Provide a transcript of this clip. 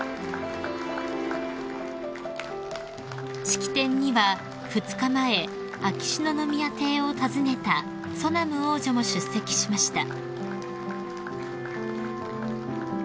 ［式典には２日前秋篠宮邸を訪ねたソナム王女も出席しました］